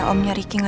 aku mau ke rumah